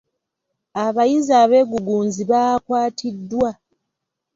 Abayizi abeegugunzi baakwatiddwa.